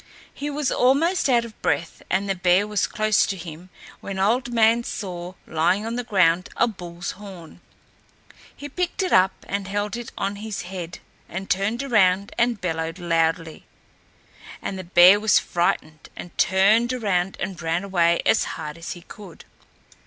He was almost out of breath, and the bear was close to him, when Old Man saw lying on the ground a bull's horn. He picked it up and held it on his head and turned around and bellowed loudly, and the bear was frightened and turned around and ran away as hard as he could.